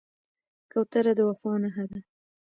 کوتره د وفا نښه ده.